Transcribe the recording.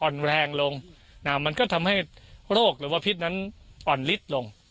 อ่อนแรงลงมันก็ทำให้โรคหรือว่าพิษนั้นอ่อนลิตรลง